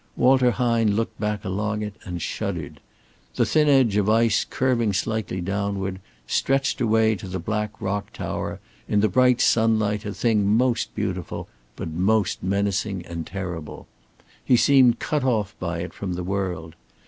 Walter Hine looked back along it and shuddered. The thin edge of ice curving slightly downward, stretched away to the black rock tower, in the bright sunlight a thing most beautiful, but most menacing and terrible. He seemed cut off by it from the world.